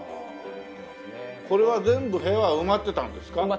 これは全部部屋は埋まってたんですか？